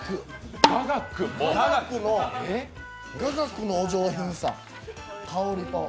雅楽のお上品さ、香りも。